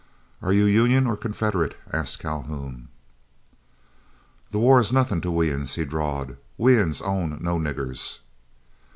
"Are you Union or Confederate?" asked Calhoun. "The wah is nuthin' to we uns," he drawled; "we uns own no niggers."